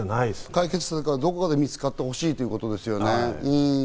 解決策がどこかで見つかってほしいということですね。